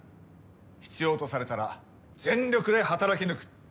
必要とされたら全力で働き抜く。